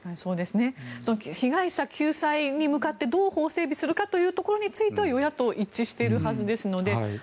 被害者救済に向かって法整備するかというところについては与野党は一致しているはずですので。